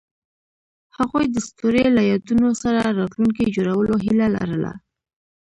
هغوی د ستوري له یادونو سره راتلونکی جوړولو هیله لرله.